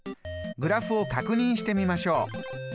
グラフを確認してみましょう。